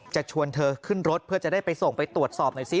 ชวนเธอขึ้นรถเพื่อจะได้ไปส่งไปตรวจสอบหน่อยสิ